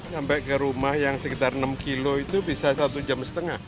sampai ke rumah yang sekitar enam kilo itu bisa satu jam setengah